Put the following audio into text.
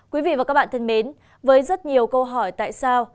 quý vị và các bạn thân mến với rất nhiều câu hỏi tại sao